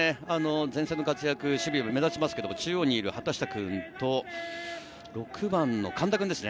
前線の活躍、守備も目立ちますけれど中央にいる畑下君と６番の神田君ですね。